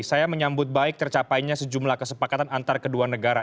saya menyambut baik tercapainya sejumlah kesepakatan antar kedua negara